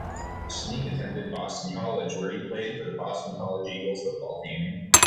Snee attended Boston College, where he played for the Boston College Eagles football team.